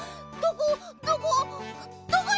どこ？